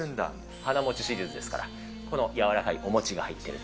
華もちシリーズですから、この柔らかいお餅が入ってる。